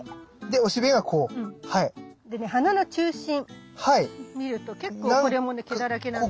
でね花の中心見ると結構これもね毛だらけなんだよ。